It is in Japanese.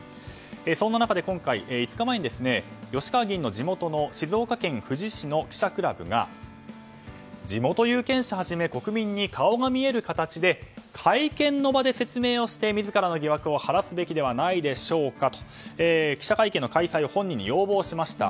そんな中、今回、５日前に吉川議員の地元静岡県富士市の記者クラブが地元有権者はじめ国民に顔が見える形で会見の場で説明をして自らの疑惑を晴らすべきではないでしょうかと記者会見の開催を本人に要望しました。